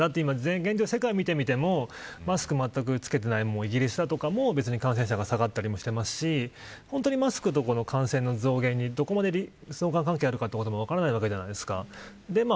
現状、世界を見てみてもマスクをまったく着けてないイギリスとかも別に感染者が下がったりもしていますし本当にマスクと感染の増減にどこまで相関関係があるか分からないわけじゃないですか。